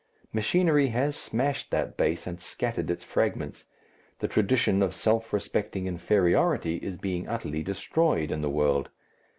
Machinery has smashed that base and scattered its fragments; the tradition of self respecting inferiority is being utterly destroyed in the world.